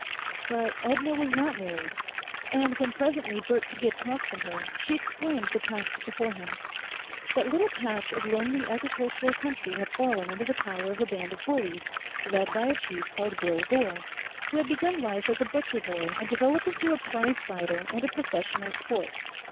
But Edna was not married, and when presently Bert could get talk from her, she explained the task before him. That little patch of lonely agricultural country had fallen under the power of a band of bullies led by a chief called Bill Gore who had begun life as a butcher boy and developed into a prize fighter and a professional sport.